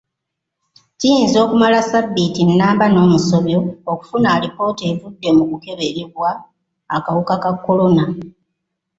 Kiyinza okumala ssabbiiti nnamba n'omusobyo okufuna alipoota evudde mu kukeberebwa akawuka ka kolona.